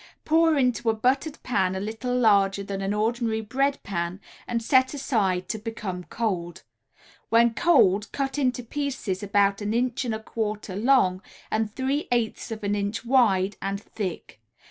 Pour into a buttered pan a little larger than an ordinary bread pan and set aside to become cold. When cold cut into pieces about an inch and a quarter long and three eighths of an inch wide and thick.